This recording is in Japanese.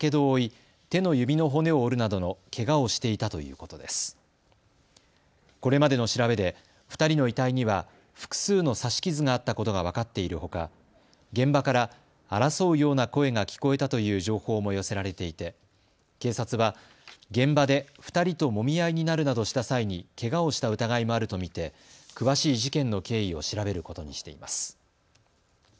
これまでの調べで２人の遺体には複数の刺し傷があったことが分かっているほか現場から争うような声が聞こえたという情報も寄せられていて警察は現場で２人ともみ合いになるなどした際にけがをした疑いもあると見て詳しい事件の経緯を調べることにしています。